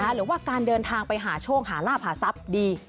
หรือว่าการเดินทางไปหาโชคหาลาบหาทรัพย์ดี